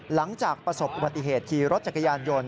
หลังจากประสบอุบัติเหตุขี่รถจักรยานยนต์